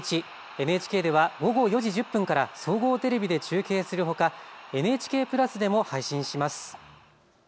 ＮＨＫでは午後４時１０分から総合テレビで中継するほかＮＨＫプラスでも配信します。